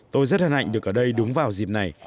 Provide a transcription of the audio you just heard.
tôi rất hân hạnh được ở đây đúng vào dịp này